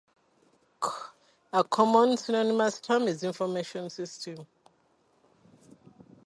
A common synonymous term is "information system".